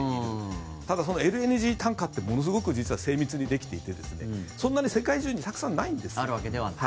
ただ、そのＬＮＧタンカーってものすごく精密にできていてそんなに世界中にたくさんないんですよ。